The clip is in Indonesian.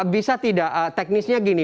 bisa tidak teknisnya gini